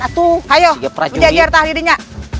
ayo menjajar tahidnya